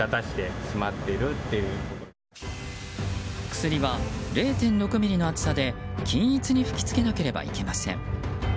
薬は０．６ミリの厚さで均一に吹きつけなければいけません。